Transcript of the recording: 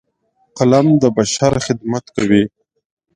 قلم د بشر خدمت کوي